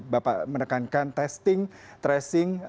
bapak menekankan testing tracing